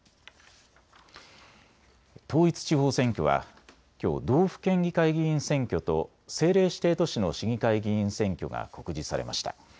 統一地方選挙はきょう道府県議会議員選挙と政令指定都市の市議会議員選挙が告示されました。